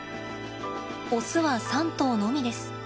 オスは３頭のみです。